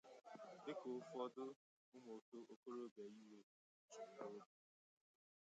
dịka ụfọdụ ụmụokorobịa iwe juru n'obi